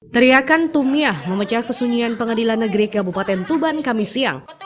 teriakan tumiah memecah kesunyian pengadilan negeri kabupaten tuban kamisiyang